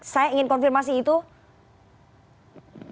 saya ingin konfirmasi itu